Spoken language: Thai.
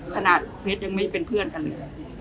ขนาดเพชรยังไม่เป็นเพื่อนกันเลย